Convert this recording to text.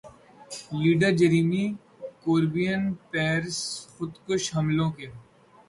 leader Jeremy Corbyn Paris خودکش حملوں کے